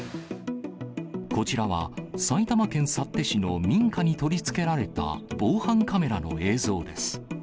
こちらは埼玉県幸手市の民家に取り付けられた、防犯カメラの映像です。